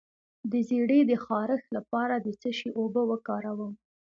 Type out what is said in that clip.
د زیړي د خارښ لپاره د څه شي اوبه وکاروم؟